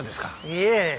いえ。